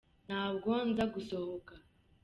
ntabwo nza gusohoka.